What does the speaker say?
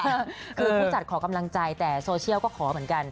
คือผู้จัดขอกำลังใจแต่โซเชียลก็ขอเหมือนกัน